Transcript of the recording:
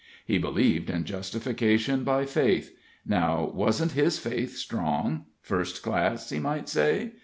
He believed in justification by faith; now, wasn't his faith strong first class, he might say?